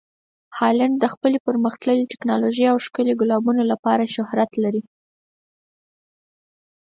هالنډ د خپلې پرمخ تللې ټکنالوژۍ او ښکلي ګلابونو لپاره شهرت لري.